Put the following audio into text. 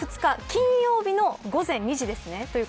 金曜日の午前２時ですね。